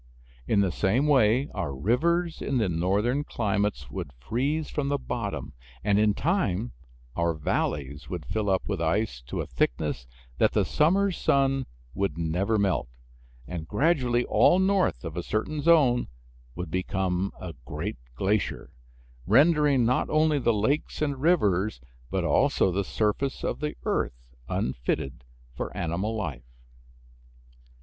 In the same way our rivers in the northern climates would freeze from the bottom, and in time our valleys would fill up with ice to a thickness that the summer's sun would never melt, and gradually all north of a certain zone would become a great glacier, rendering not only the lakes and rivers but also the surface of the earth unfitted for animal life.